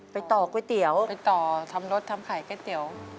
ต่อก๋วยเตี๋ยวไปต่อทำรถทำขายก๋วยเตี๋ยว